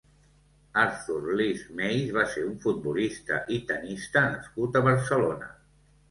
Arthur Leask Mace va ser un futbolista i tennista nascut a Barcelona.